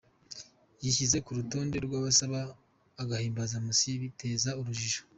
Yishyize ku rutonde rw’abasaba agahimbazamusyi biteza urujijo.